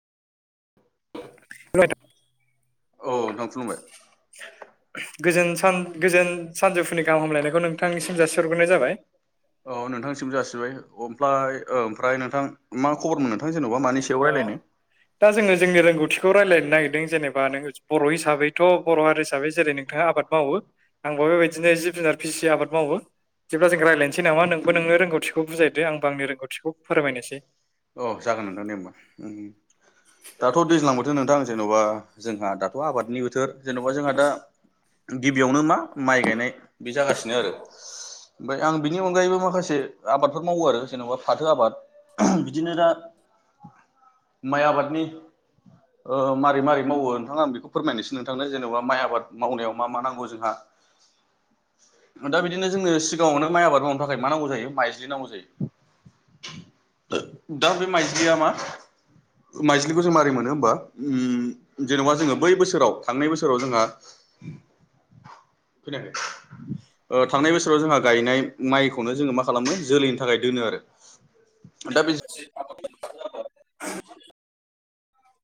औ [inaudible] औ नोंथां खुलुमबाय गोजोन सान गोजोन सानजौफुनि गाहाम हामलायनायखौ नोंथांनिसिम जासिहग्रोनाय जाबाय औ नोंथांसिम जासिबाय ओमफ्राय ओमफ्राय नोंथां मा खबरमोन नोंथां जेन'बा मानि सायाव अ रायलाय नो दा जोङो जोंनि रोंगौथिखौ रायज्लायनो नागिरदों जेनेबा नोङो बर' हिसाबैथ' बर' हारि हिसाबै जेरै नों नोंथाङा आबाद मावो आंबो बेबायदिनो जिब जुनार फिसियो आबाद मावो बिदिबा जों रायज्लायनोसै नामा नोंबो नोंनो रोंगौथिखौ बुजायदो आंबो आं रोंगौथिखौ फोरमायनोसै अह जागोन नोंथां दे होमबा दाथ' दैज्लां बोथोर नोंथां जेन'बा जोंहा दाथ' आबादनि बोथोर जेन'बा जोंहा दा गिबियावनो मा माइ गायनाय बे जागासिनो आरो ओमफ्राय आं बिनि अनगायैबो माखासे आबादफोर मावो आरो जेनेबा फाथो आबाद बिदिनो दा [inaudible] माइ आबादनि ओ मारै मारै मावो नोंथां आं बेखौ फोरमायनोसै नोंथांनो जेनेबा माइ आबाद मावनायाव मा मा नांगौ जोंहा दा बिदिनो जोंनो सिगाङावनो माइ आबाद मावनो थाखाय मा नांगौ जायो माइज्लि नांगौ जायो दा बे माइज्लिया मा माइज्लिखौ जों मारै मोनो होमबा जेन'बा जोङो बै बोसोराव थांनाय बोसोराव जोंहा [inaudible] खोनायाखै थांनाय बोसोराव जोंहा गायनाय माइखौनो जोङो मा खालामनो जोलैनि थाखाय दोनो आरो दा [unintelligible]